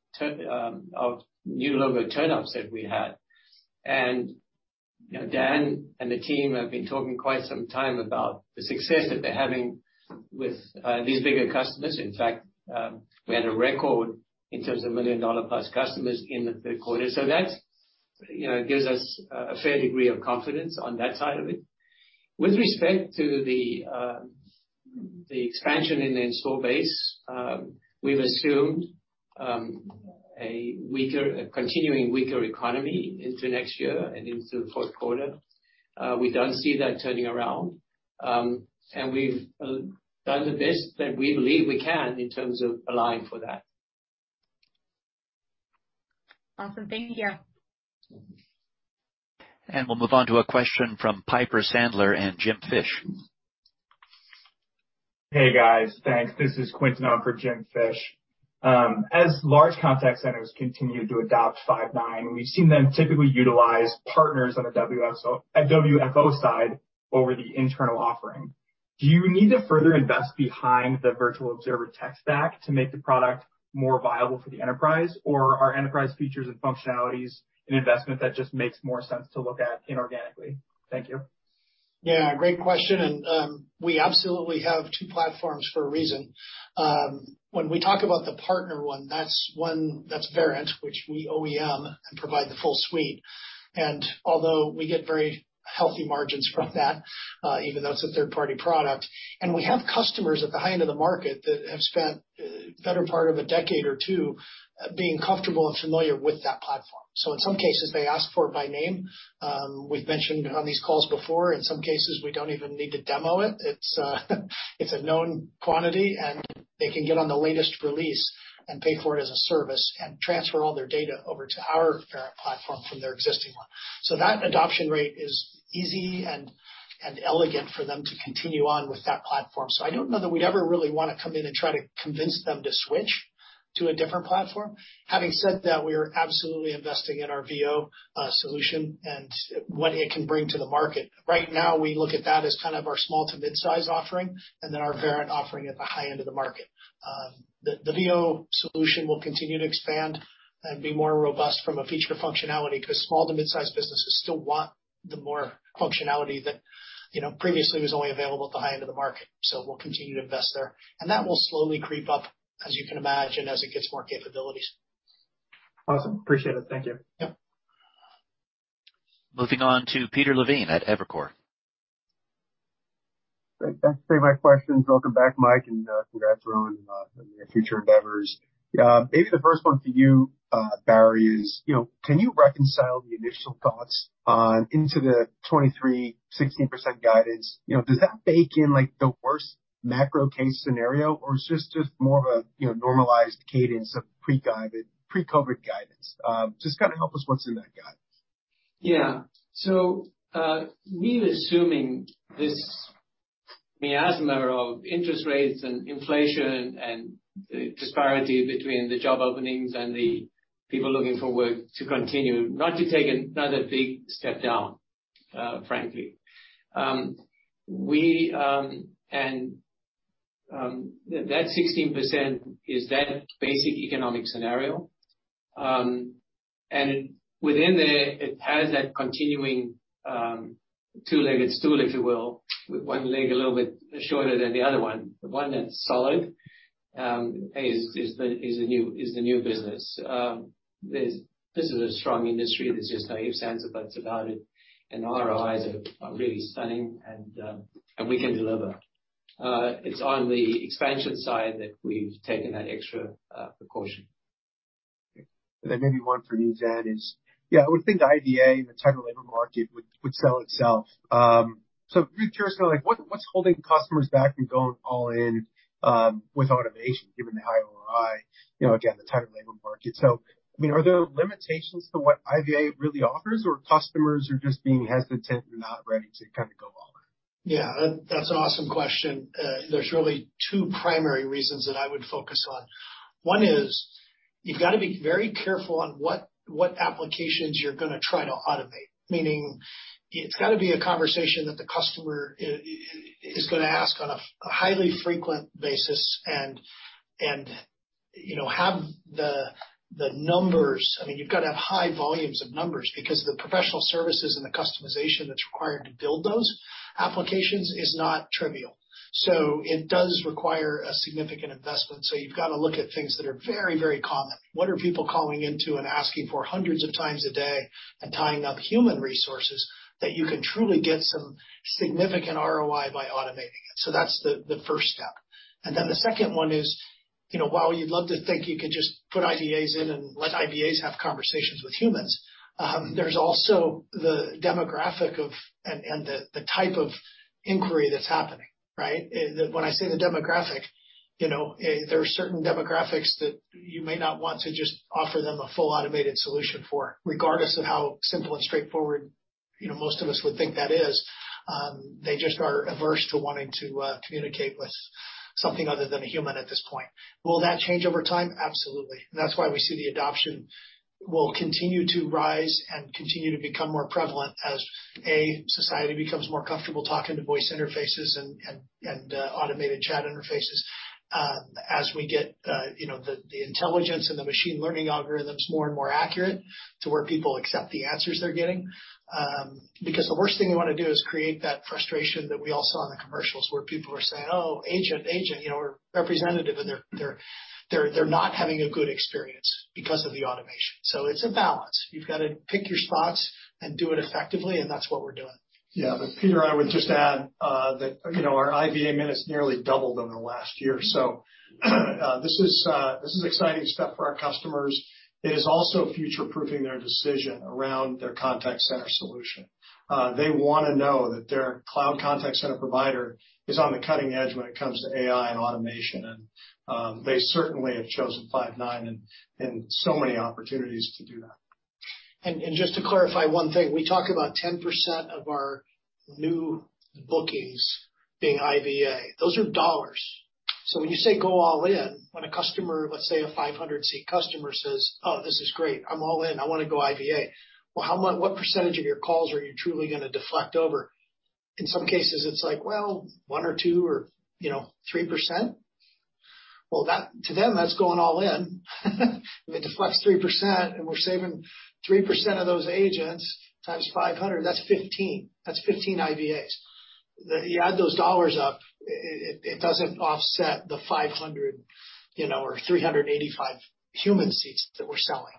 of new logo turn-ups that we had. Dan and the team have been talking quite some time about the success that they're having with these bigger customers. In fact, we had a record in terms of million-dollar-plus customers in the third quarter. That gives us a fair degree of confidence on that side of it. With respect to the expansion in the install base, we've assumed a continuing weaker economy into next year and into the fourth quarter. We don't see that turning around, and we've done the best that we believe we can in terms of aligning for that. Awesome. Thank you. We'll move on to a question from Piper Sandler and James Fish. Hey, guys. Thanks. This is Quentin on for James Fish. As large contact centers continue to adopt Five9, we've seen them typically utilize partners on the WFO side over the internal offering. Do you need to further invest behind the Virtual Observer tech stack to make the product more viable for the enterprise? Or are enterprise features and functionalities an investment that just makes more sense to look at inorganically? Thank you. Yeah, great question. We absolutely have two platforms for a reason. When we talk about the partner one, that's Verint, which we OEM and provide the full suite. Although we get very healthy margins from that, even though it's a third-party product, we have customers at the high end of the market that have spent the better part of a decade or two being comfortable and familiar with that platform. In some cases, they ask for it by name. We've mentioned on these calls before, in some cases, we don't even need to demo it. It's a known quantity, and they can get on the latest release and pay for it as a service and transfer all their data over to our Verint platform from their existing one. That adoption rate is easy and elegant for them to continue on with that platform. I don't know that we'd ever really want to come in and try to convince them to switch to a different platform. Having said that, we are absolutely investing in our VO solution and what it can bring to the market. Right now, we look at that as kind of our small to mid-size offering, and then our Verint offering at the high end of the market. The VO solution will continue to expand and be more robust from a feature functionality, because small to mid-size businesses still want The more functionality that previously was only available at the high end of the market. We'll continue to invest there, and that will slowly creep up, as you can imagine, as it gets more capabilities. Awesome. Appreciate it. Thank you. Yep. Moving on to Peter Levine at Evercore. Great. Thanks. Save my questions. Welcome back, Mike, and congrats, Rowan, on your future endeavors. Maybe the first one to you, Barry, is can you reconcile the initial thoughts into the 2023, 16% guidance? Does that bake in the worst macro case scenario, or is this just more of a normalized cadence of pre-COVID-19 guidance? Just kind of help us what's in that guidance. We're assuming this miasma of interest rates and inflation and the disparity between the job openings and the people looking for work to continue, not to take another big step down, frankly. That 16% is that basic economic scenario. Within there, it has that continuing two-legged stool, if you will, with one leg a little bit shorter than the other one. The one that's solid is the new business. This is a strong industry. There's just no ifs, ands, or buts about it. ROIs are really stunning, and we can deliver. It's on the expansion side that we've taken that extra precaution. maybe one for you, Dan, is I would think the IVA and the tighter labor market would sell itself. Really curious to know what's holding customers back from going all in with automation, given the high ROI, again, the tighter labor market. Are there limitations to what IVA really offers, or customers are just being hesitant and not ready to go all in? Yeah. That's an awesome question. There's really two primary reasons that I would focus on. One is you've got to be very careful on what applications you're going to try to automate, meaning it's got to be a conversation that the customer is going to ask on a highly frequent basis and have the numbers. You've got to have high volumes of numbers because the professional services and the customization that's required to build those applications is not trivial. It does require a significant investment. You've got to look at things that are very, very common. What are people calling in to and asking for hundreds of times a day and tying up human resources that you can truly get some significant ROI by automating it? That's the first step. The second one is, while you'd love to think you can just put IVAs in and let IVAs have conversations with humans, there's also the demographic of and the type of inquiry that's happening, right? When I say the demographic, there are certain demographics that you may not want to just offer them a full automated solution for, regardless of how simple and straightforward most of us would think that is. They just are averse to wanting to communicate with something other than a human at this point. Will that change over time? Absolutely. That's why we see the adoption will continue to rise and continue to become more prevalent as, A, society becomes more comfortable talking to voice interfaces and automated chat interfaces. As we get the intelligence and the machine learning algorithms more and more accurate to where people accept the answers they're getting. The worst thing we want to do is create that frustration that we all saw in the commercials where people are saying, "Oh, agent," or representative, and they're not having a good experience because of the automation. It's a balance. You've got to pick your spots and do it effectively, that's what we're doing. Peter, I would just add that our IVA minutes nearly doubled over the last year. This is exciting stuff for our customers. It is also future-proofing their decision around their contact center solution. They want to know that their cloud contact center provider is on the cutting edge when it comes to AI and automation, and they certainly have chosen Five9 and so many opportunities to do that. Just to clarify one thing. We talk about 10% of our new bookings being IVA. Those are dollars. When you say go all in, when a customer, let's say a 500-seat customer says, "Oh, this is great. I'm all in. I want to go IVA." What percentage of your calls are you truly going to deflect over? In some cases, it's like, 1% or 2% or 3%. To them, that's going all in. If it deflects 3% and we're saving 3% of those agents times 500, that's 15 IVAs. You add those dollars up, it doesn't offset the 500 or 385 human seats that we're selling.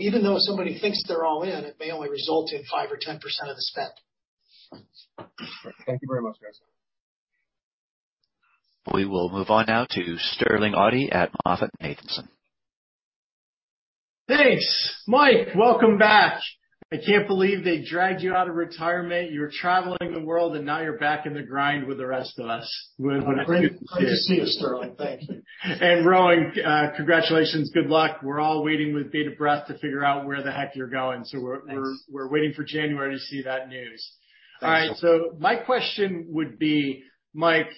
Even though somebody thinks they're all in, it may only result in 5% or 10% of the spend. Thank you very much, guys. We will move on now to Sterling Auty at MoffettNathanson. Thanks. Mike, welcome back. I can't believe they dragged you out of retirement. You were traveling the world, and now you're back in the grind with the rest of us. Great to see you, Sterling. Thank you. Rowan, congratulations. Good luck. We're all waiting with bated breath to figure out where the heck you're going. Thanks. We're waiting for January to see that news. Thanks. All right, my question would be, Mike,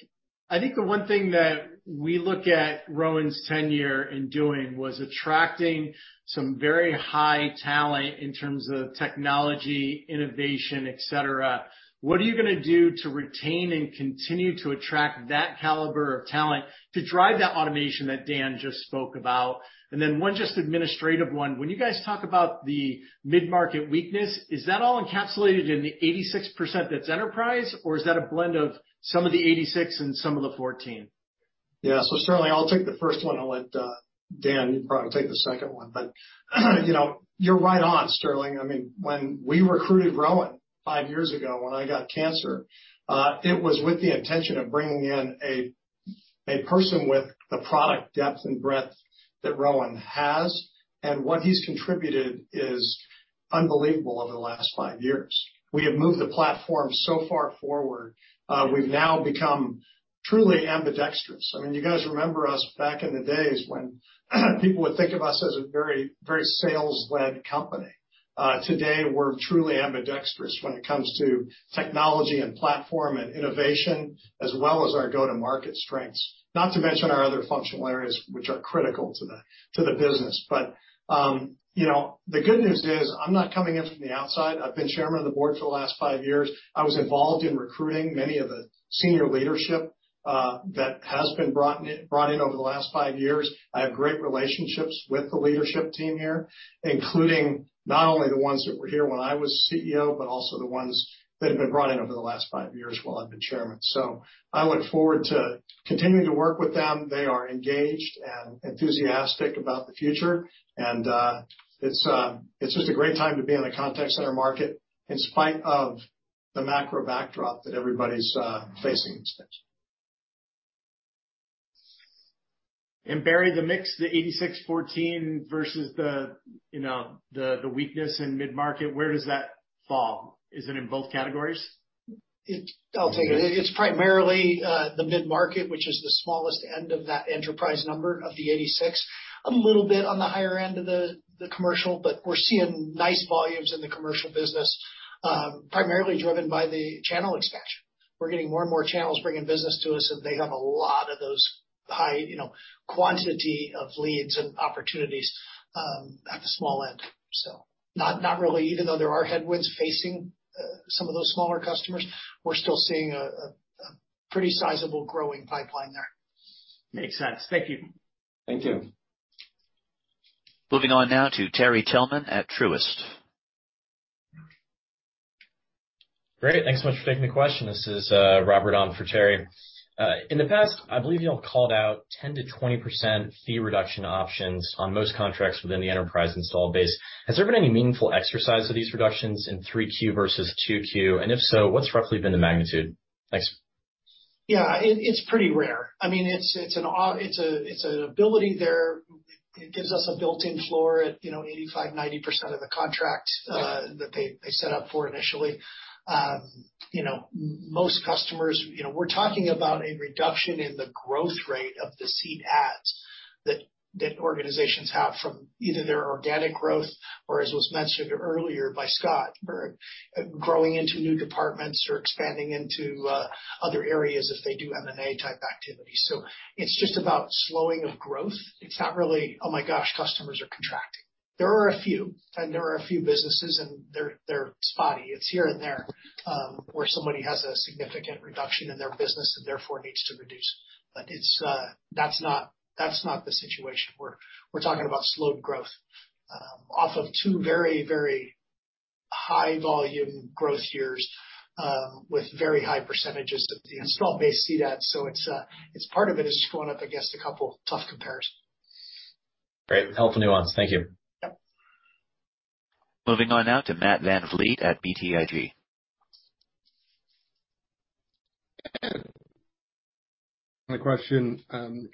I think the one thing that we look at Rowan's tenure in doing was attracting some very high talent in terms of technology, innovation, et cetera. What are you going to do to retain and continue to attract that caliber of talent to drive that automation that Dan just spoke about? Then one just administrative one. When you guys talk about the mid-market weakness, is that all encapsulated in the 86% that's enterprise, or is that a blend of some of the 86 and some of the 14? Yeah. Sterling, I'll take the first one. I'll let Dan, you probably take the second one. You're right on, Sterling. When we recruited Rowan five years ago, when I got cancer, it was with the intention of bringing in a person with the product depth and breadth that Rowan has. What he's contributed is unbelievable over the last five years. We have moved the platform so far forward. We've now become truly ambidextrous. You guys remember us back in the days when people would think of us as a very sales-led company. Today, we're truly ambidextrous when it comes to technology and platform and innovation, as well as our go-to-market strengths. Not to mention our other functional areas, which are critical to the business. The good news is I'm not coming in from the outside. I've been chairman of the board for the last five years. I was involved in recruiting many of the senior leadership that has been brought in over the last five years. I have great relationships with the leadership team here, including not only the ones that were here when I was CEO, but also the ones that have been brought in over the last five years while I've been chairman. I look forward to continuing to work with them. They are engaged and enthusiastic about the future, it's just a great time to be in the contact center market in spite of the macro backdrop that everybody's facing these days. Barry, the mix, the 86/14 versus the weakness in mid-market, where does that fall? Is it in both categories? I'll take it. It's primarily the mid-market, which is the smallest end of that enterprise number of the 86. A little bit on the higher end of the commercial, but we're seeing nice volumes in the commercial business, primarily driven by the channel expansion. We're getting more and more channels bringing business to us, and they have a lot of those high quantity of leads and opportunities at the small end. Not really, even though there are headwinds facing some of those smaller customers, we're still seeing a pretty sizable growing pipeline there. Makes sense. Thank you. Thank you. Moving on now to Terry Tillman at Truist. Great. Thanks so much for taking the question. This is Robert on for Terry. In the past, I believe you all called out 10%-20% fee reduction options on most contracts within the enterprise install base. Has there been any meaningful exercise of these reductions in 3Q versus 2Q? If so, what's roughly been the magnitude? Thanks. Yeah. It's pretty rare. It's an ability there. It gives us a built-in floor at 85%-90% of the contract that they set up for initially. Most customers, we're talking about a reduction in the growth rate of the seat adds that organizations have from either their organic growth or, as was mentioned earlier by Scott, growing into new departments or expanding into other areas if they do M&A-type activities. It's just about slowing of growth. It's not really, oh, my gosh, customers are contracting. There are a few, and there are a few businesses, and they're spotty. It's here and there, where somebody has a significant reduction in their business and therefore needs to reduce. That's not the situation. We're talking about slowed growth off of two very high volume growth years, with very high percentages of the install base seat adds. Part of it is just going up against a couple of tough comparisons. Great. Helpful nuance. Thank you. Yep. Moving on now to Matt VanVliet at BTIG. Matt. My question,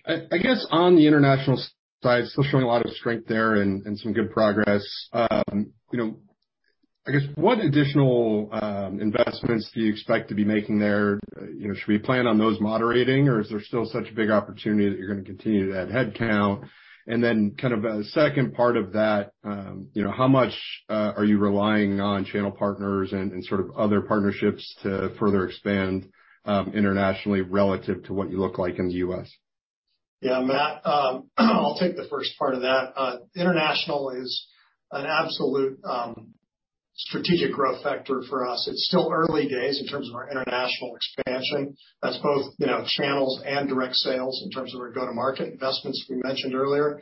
I guess, on the international side, still showing a lot of strength there and some good progress. I guess, what additional investments do you expect to be making there? Should we plan on those moderating, or is there still such a big opportunity that you're going to continue to add headcount? Then kind of a second part of that, how much are you relying on channel partners and sort of other partnerships to further expand internationally relative to what you look like in the U.S.? Yeah, Matt, I'll take the first part of that. International is an absolute strategic growth factor for us. It's still early days in terms of our international expansion. That's both channels and direct sales in terms of our go-to-market investments we mentioned earlier.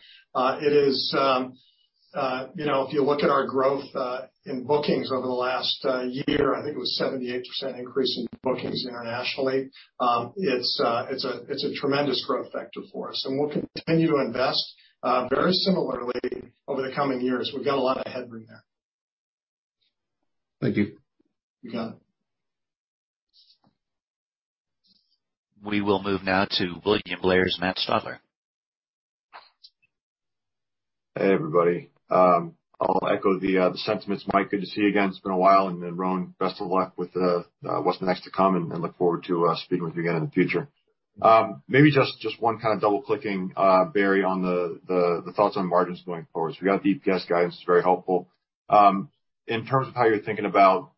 If you look at our growth in bookings over the last year, I think it was 78% increase in bookings internationally. It's a tremendous growth factor for us, and we'll continue to invest very similarly over the coming years. We've got a lot of headroom there. Thank you. You got it. We will move now to William Blair's Matt Stotler. Hey, everybody. I'll echo the sentiments. Mike, good to see you again. It's been a while. Then Rowan, best of luck with what's next to come, and look forward to speaking with you again in the future. Maybe just one kind of double-clicking, Barry, on the thoughts on margins going forward. We got the EPS guidance, it's very helpful. In terms of how you're thinking about,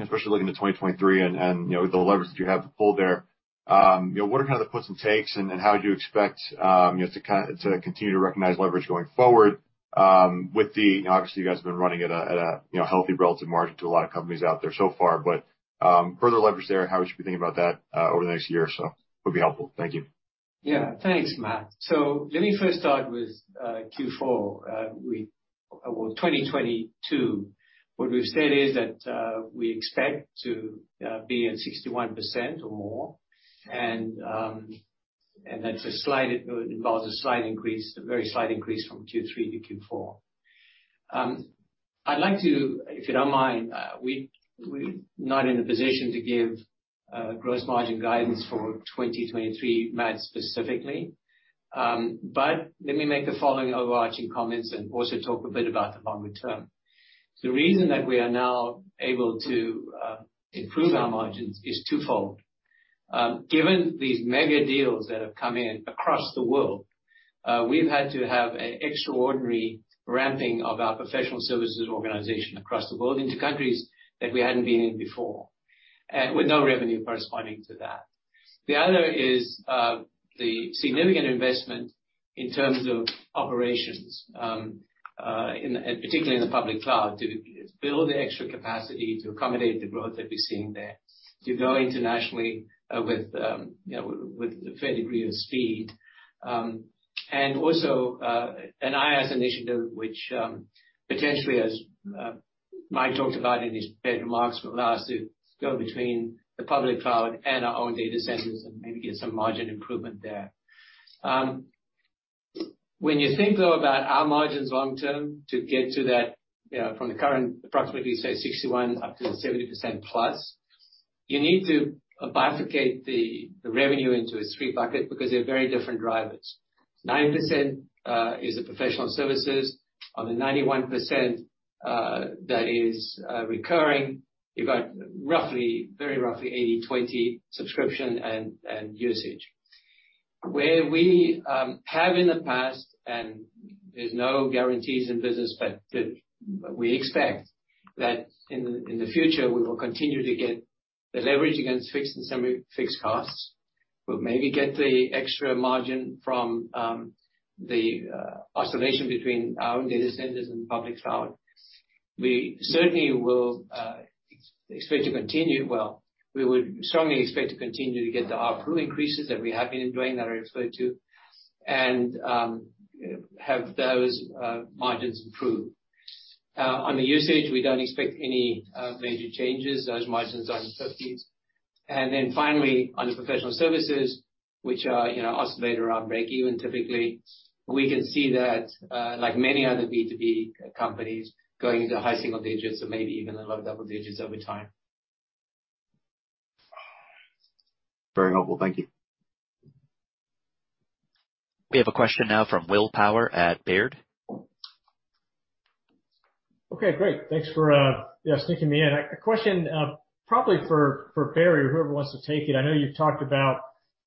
especially looking to 2023 and the leverage that you have to pull there, what are kind of the puts and takes, and how do you expect to continue to recognize leverage going forward? Obviously, you guys have been running at a healthy relative margin to a lot of companies out there so far, but further leverage there and how we should be thinking about that over the next year or so would be helpful. Thank you. Yeah. Thanks, Matt. Let me first start with Q4. Well, 2022, what we've said is that we expect to be at 61% or more, and that involves a very slight increase from Q3 to Q4. I'd like to, if you don't mind, we're not in a position to give gross margin guidance for 2023 MAD specifically. Let me make the following overarching comments, and also talk a bit about the longer term. The reason that we are now able to improve our margins is twofold. Given these mega deals that have come in across the world, we've had to have an extraordinary ramping of our professional services organization across the world into countries that we hadn't been in before, and with no revenue corresponding to that. The other is the significant investment in terms of operations, particularly in the public cloud, to build the extra capacity to accommodate the growth that we're seeing there, to go internationally with a fair degree of speed. Also, an IaaS initiative, which potentially, as Mike talked about in his prepared remarks, will allow us to go between the public cloud and our own data centers and maybe get some margin improvement there. When you think, though, about our margins long term to get to that from the current, approximately, say, 61 up to the 70% plus, you need to bifurcate the revenue into three buckets, because they're very different drivers. Nine percent is the professional services. On the 91% that is recurring, you've got very roughly 80/20 subscription and usage. Where we have in the past, and there's no guarantees in business, but we expect that in the future, we will continue to get the leverage against fixed and semi-fixed costs. We'll maybe get the extra margin from the oscillation between our own data centers and public cloud. Well, we would strongly expect to continue to get the ARPU increases that we have been doing, that I referred to, and have those margins improve. On the usage, we don't expect any major changes. Those margins are in the 50s. Then finally, on the professional services, which oscillate around breakeven, typically, we can see that, like many other B2B companies, going into high single digits or maybe even the low double digits over time. Very helpful. Thank you. We have a question now from William Power at Baird. Okay, great. Thanks for sneaking me in. A question probably for Barry or whoever wants to take it. I know you've talked about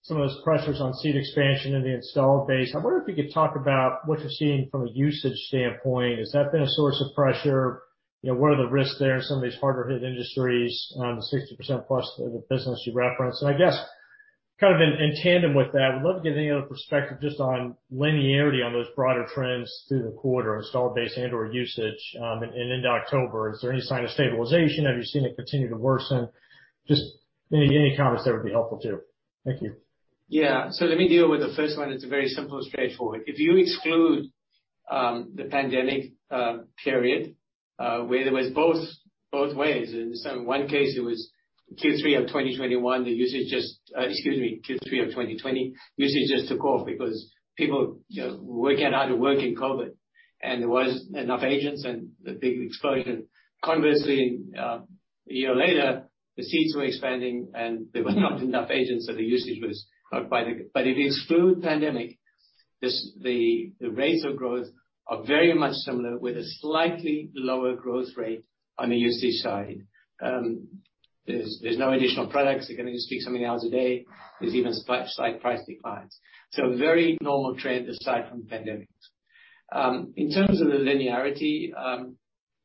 some of those pressures on seat expansion in the installed base. I wonder if you could talk about what you're seeing from a usage standpoint. Has that been a source of pressure? What are the risks there in some of these harder hit industries, the 60% plus of the business you referenced? I guess, kind of in tandem with that, would love to get any other perspective just on linearity on those broader trends through the quarter, installed base and/or usage. Into October, is there any sign of stabilization? Have you seen it continue to worsen? Just any comments there would be helpful, too. Thank you. Yeah. Let me deal with the first one. It's very simple and straightforward. If you exclude the pandemic period, where there was both ways. In one case, it was Q3 of 2021, the usage. Excuse me, Q3 of 2020, usage just took off because people were working out how to work in COVID-19, and there wasn't enough agents, and the big explosion. Conversely, a year later, the seats were expanding, and there were not enough agents, so the usage was not quite. If you exclude pandemic, the rates of growth are very much similar, with a slightly lower growth rate on the usage side. There's no additional products. You can only speak so many hours a day. There's even slight price declines. A very normal trend aside from pandemics. In terms of the linearity,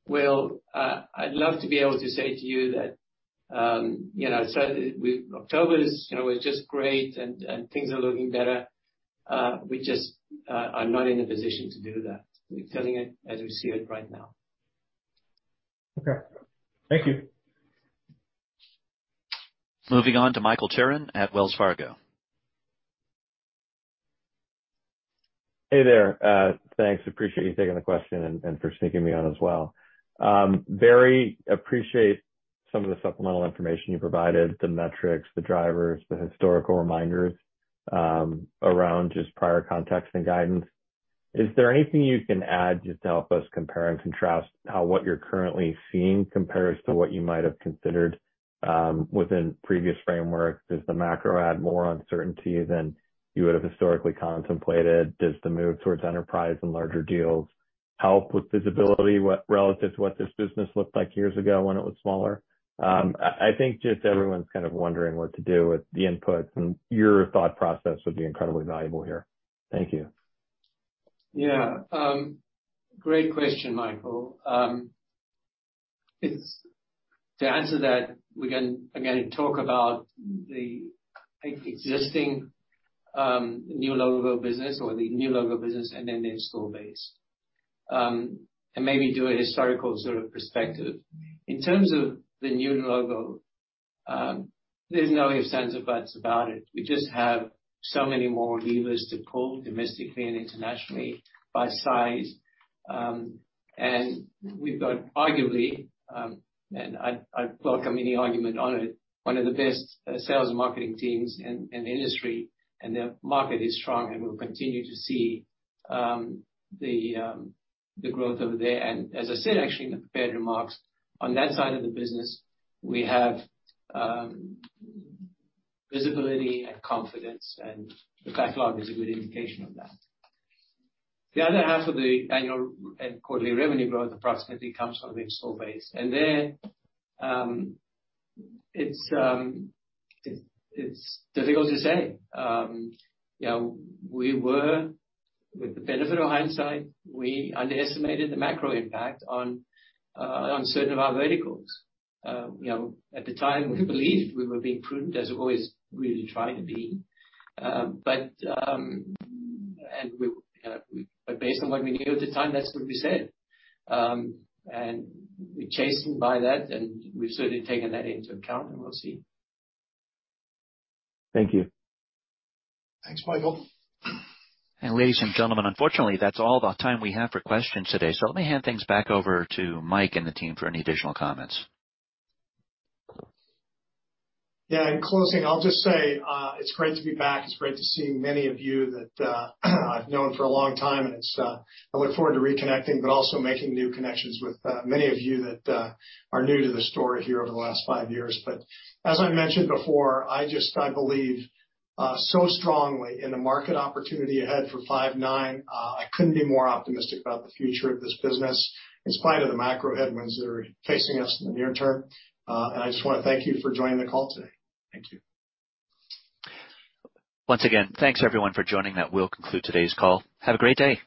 Will, I'd love to be able to say to you that October was just great and things are looking better. We just are not in a position to do that. We're telling it as we see it right now. Okay. Thank you. Moving on to Michael Turrin at Wells Fargo. Hey there. Thanks. Appreciate you taking the question and for sneaking me on as well. Barry, appreciate some of the supplemental information you provided, the metrics, the drivers, the historical reminders around just prior context and guidance. Is there anything you can add just to help us compare and contrast how what you're currently seeing compares to what you might have considered within previous frameworks? Does the macro add more uncertainty than you would have historically contemplated? Does the move towards enterprise and larger deals help with visibility relative to what this business looked like years ago when it was smaller? I think just everyone's kind of wondering what to do with the inputs, and your thought process would be incredibly valuable here. Thank you. Yeah. Great question, Michael. To answer that, we can, again, talk about the existing new logo business or the new logo business and then the install base, and maybe do a historical sort of perspective. In terms of the new logo. There's no ifs, ands, or buts about it. We just have so many more levers to pull domestically and internationally by size. We've got, arguably, and I'd welcome any argument on it, one of the best sales and marketing teams in the industry, and the market is strong, and we'll continue to see the growth over there. As I said, actually, in the prepared remarks, on that side of the business, we have visibility and confidence, and the backlog is a good indication of that. The other half of the annual and quarterly revenue growth approximately comes from the install base. There, it's difficult to say. With the benefit of hindsight, we underestimated the macro impact on certain of our verticals. At the time, we believed we were being prudent, as we always really try to be. Based on what we knew at the time, that's what we said. We're chastened by that, and we've certainly taken that into account, and we'll see. Thank you. Thanks, Michael. Ladies and gentlemen, unfortunately, that's all the time we have for questions today. Let me hand things back over to Mike and the team for any additional comments. Yeah. In closing, I'll just say, it's great to be back. It's great to see many of you that I've known for a long time, and I look forward to reconnecting, but also making new connections with many of you that are new to the story here over the last five years. As I mentioned before, I believe so strongly in the market opportunity ahead for Five9. I couldn't be more optimistic about the future of this business, in spite of the macro headwinds that are facing us in the near term. I just want to thank you for joining the call today. Thank you. Once again, thanks everyone for joining. That will conclude today's call. Have a great day.